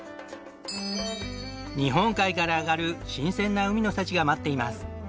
日本海から上がる新鮮な海の幸が待っています。